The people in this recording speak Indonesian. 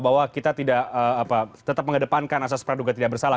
bahwa kita tidak tetap mengedepankan asas peraduga tidak bersalah